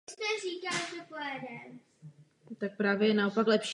Do deblové soutěže budapešťského tenisového turnaje nastoupilo šestnáct dvojic.